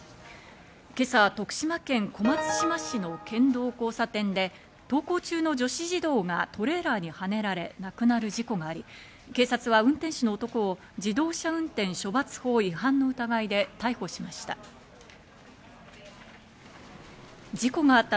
今朝、徳島県小松島市の県道交差点で、登校中の女子児童がトレーラーにはねられ、亡くなる事故があり、警察は運転手の男を自動車運転処罰法違反の疑いで逮捕しました。